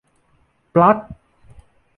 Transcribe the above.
- ปลั๊ก